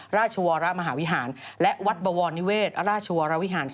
ราชวรมหาวิหารและวัดบวรนิเวศราชวรวิหาร